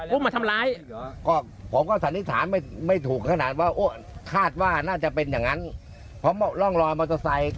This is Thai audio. อุ้มทำร้ายไม่ถูกขนาดว่าน่าจะเป็นอย่างนั้นรองรอยมอเตอร์ไซค์